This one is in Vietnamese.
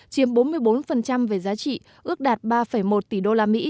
chiếm bốn mươi bốn về giá trị ước đạt ba một tỷ usd